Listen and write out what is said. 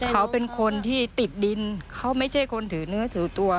เขาเป็นคนที่ติดดินเขาไม่ใช่คนถือเนื้อถือตัว